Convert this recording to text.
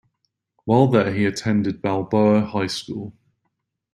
While there he attended Balboa High School.